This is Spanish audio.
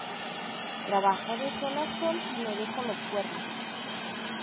Trabajo de sol a sol y me dejo los cuernos